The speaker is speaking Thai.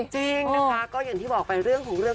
จริงนะคะก็อย่างที่บอกไปเรื่องของเรื่อง